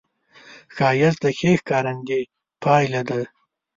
ښایست د ښې ښکارندې پایله ده